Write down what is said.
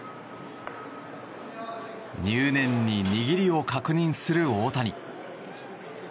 入念に握りを確認する大谷。